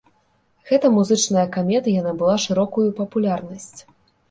Гэта музычная камедыя набыла шырокую папулярнасць.